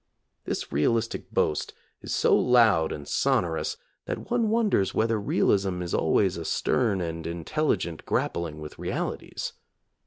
This realistic boast is so loud and sonorous that one wonders whether realism is always a stern and intelligent grappling with realities.